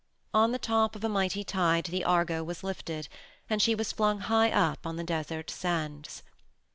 On the top of a mighty tide the Argo was lifted, and she was flung high up on the desert sands.